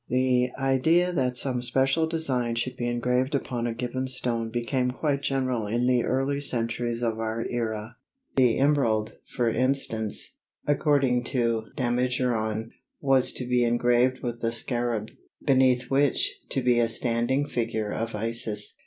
The idea that some special design should be engraved upon a given stone became quite general in the early centuries of our era. The emerald, for instance, according to Damigeron, was to be engraved with a scarab, beneath which was to be a standing figure of Isis.